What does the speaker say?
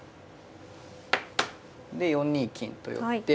で４二金と寄って。